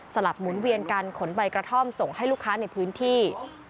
หมุนเวียนการขนใบกระท่อมส่งให้ลูกค้าในพื้นที่